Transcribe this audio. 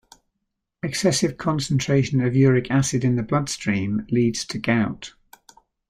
Excessive concentration of uric acid in the blood stream leads to gout.